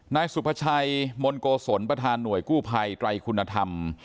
นายสุภาชัยมนโกศลประธานหน่วยกู้ภัยไตรคุณธรรม